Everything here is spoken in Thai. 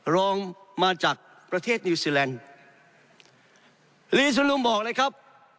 รองมาจากประเทศนิวซีแลนด์ลีซูลุมบอกเลยครับ